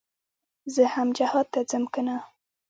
زه هم جهاد ته ځم كنه.